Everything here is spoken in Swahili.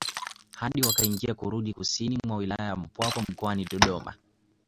Hadi wakaingia kurudi kusini mwa wilaya ya Mpwapwa mkoani Dodoma